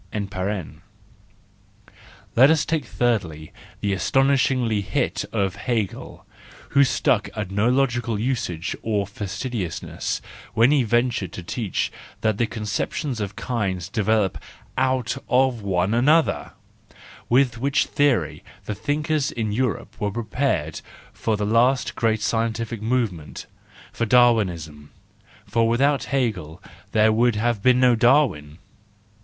Let us take thirdly, the astonishing hit of Hegel , who stuck at no logical usage or fastidiousness when he ventured to teach that the conceptions of kinds develop out of one another: with which theory the thinkers in Europe were prepared for the last great scientific movement, for Darwinism—for without Hegel there would have been no Darwin.